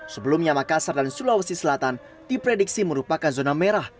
sebelumnya makassar dan sulawesi selatan diprediksi merupakan zona merah